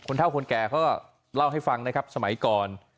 เท่าคนแก่เขาก็เล่าให้ฟังนะครับสมัยก่อน